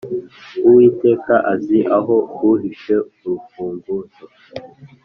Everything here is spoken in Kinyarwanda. uwiteka azi aho uhishe 'urufunguzo